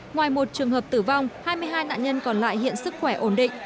ngoài một trường hợp tử vong hai mươi hai nạn nhân còn lại hiện sức khỏe ổn định